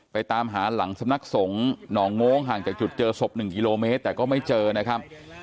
ตามหาหลังสำนักสงฆ์หนองโง้งห่างจากจุดเจอศพ๑กิโลเมตรแต่ก็ไม่เจอนะครับ